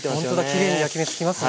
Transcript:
きれいに焼き目つきますね。